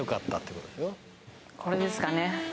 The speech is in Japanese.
これですかね